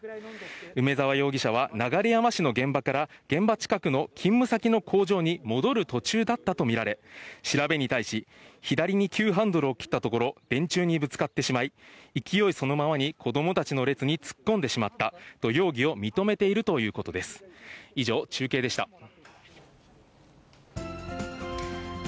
梅沢容疑者は流山市の現場から現場近くの勤務先の工場に戻る途中だったと見られ、調べに対し、左に急ハンドルを切ったところ、電柱にぶつかってしまい、勢いそのままに子どもたちの列に突っ込んでしまったと、容疑を認めているということです。